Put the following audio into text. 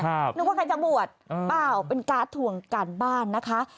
นึกว่าใครจะบวชเปล่าเป็นการ์ดทวงการบ้านนะคะ